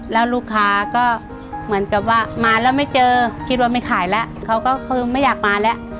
แล้วลูกค้าก็เหมือนกับว่ามาแล้วไม่เจอคิดว่าไม่ขายแล้วเขาก็คือไม่อยากมาแล้ว